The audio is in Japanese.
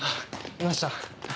いました。